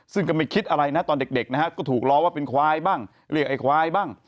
ซึ่งก็ไม่คิดอะไรนะตอนเด็กนะฮะก็ถูกล้อว่าเป็นควายบ้างเรียกไอ้ควายบ้าง